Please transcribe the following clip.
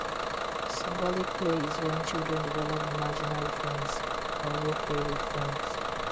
Symbolic play is when children develop imaginary friends or role-play with friends.